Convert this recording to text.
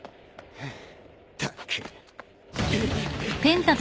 ハァ。